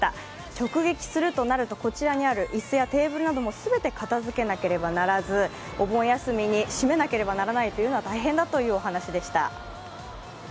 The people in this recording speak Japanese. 直撃するとなると、こちらにある椅子やテーブルなど、全て片づけなければならずお盆休みに閉めなければならないというのは大変だというお話でした。